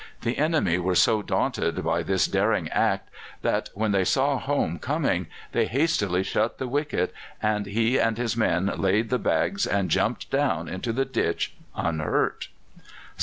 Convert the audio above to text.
The enemy were so daunted by this daring act that, when they saw Home coming, they hastily shut the wicket, and he and his men laid the bags and jumped down into the ditch unhurt.